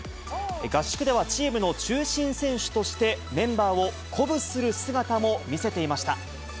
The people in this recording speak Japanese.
合宿ではチームの中心選手として、メンバーを鼓舞する姿も見せていました。